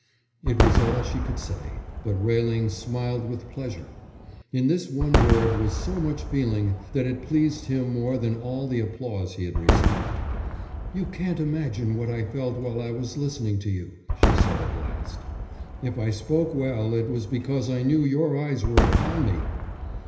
It was all she could say, but Railing smiled with pleasure. In this one word was so much feeling that it pleased him more than all the applause he had received. "You can't imagine what I felt while I was listening to you," she said at last. "If I spoke well it was because I knew your eyes were upon me."